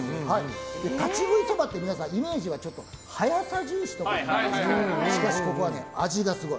立ち食いそばって皆さんのイメージは早さ重視かと思いますがしかし、ここは味がすごい。